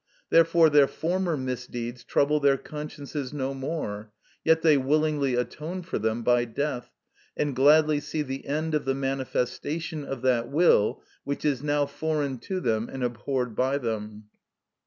Therefore their former misdeeds trouble their consciences no more, yet they willingly atone for them by death, and gladly see the end of the manifestation of that will which is now foreign to them and abhorred by them.